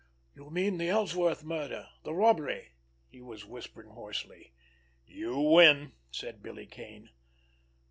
"You mean the Ellsworth murder—the robbery?" He was whispering hoarsely. "You win!" said Billy Kane.